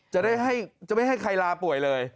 จะได้ให้ไม่ได้ให้ใครลาป่วยเลย